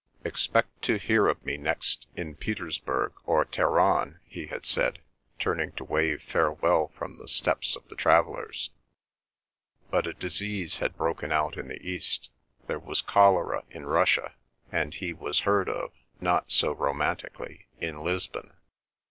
"Expect to hear of me next in Petersburg or Teheran," he had said, turning to wave farewell from the steps of the Travellers'. But a disease had broken out in the East, there was cholera in Russia, and he was heard of, not so romantically, in Lisbon.